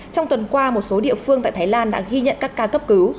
trong tuần qua một số địa phương tại thái lan đã ghi nhận các ca cấp cứu